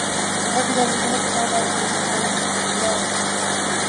وفاقی دارالحکومت اسلام آباد کے سیکٹر ایچ الیون